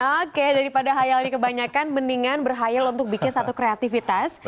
oke daripada hayalnya kebanyakan mendingan berhayal untuk bikin satu kreativitas